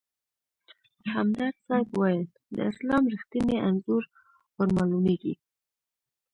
همدرد صیب ویل: د اسلام رښتیني انځور ورمالومېږي.